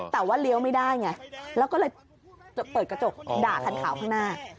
แต่ว่าเลี้ยวไม่ได้ไงแล้วก็เลยเปิดกระจกด่าคันขาวข้างหน้า